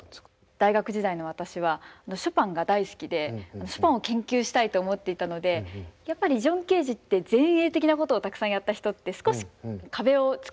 大学時代の私はショパンが大好きでショパンを研究したいと思っていたのでやっぱりジョン・ケージって前衛的なことをたくさんやった人って少し壁を作ってしまっていたんですよね。